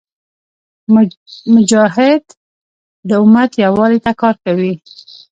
مجاهد د امت یووالي ته کار کوي.